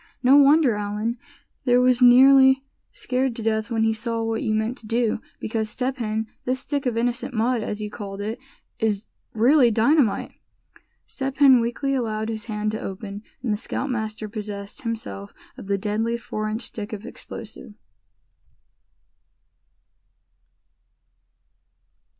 No wonder Allan, there, was nearly scared to death when he saw what you meant to do; because Step Hen, this stick of innocent mud, as you called it, is really dynamite!" Step Hen weakly allowed his hand to open, and the scoutmaster possessed himself of the deadly four inch stick of explosive.